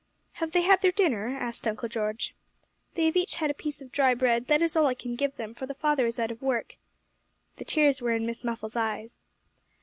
'Have they had their dinner?' asked Uncle George. 'They have each had a piece of dry bread; that is all I can give them, for the father is out of work.' The tears were in Miss Muffle's eyes.